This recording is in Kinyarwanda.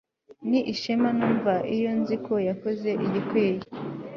Ni ishema numva iyo nzi ko yakoze igikwiye